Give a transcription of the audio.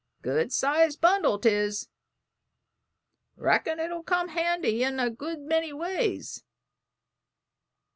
Good sized bundle 'tis; reckon it'll come handy in a good many ways."